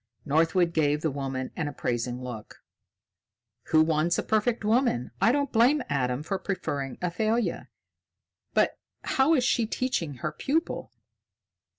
Northwood gave the woman an appraising look. "Who wants a perfect woman? I don't blame Adam for preferring Athalia. But how is she teaching her pupil?"